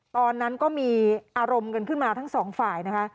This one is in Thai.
ตอนนั้นก็มีอารมณ์กันขึ้นมาทั้งสองฝ่ายนะคะ